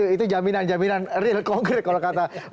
itu jaminan jaminan real konkret kalau kata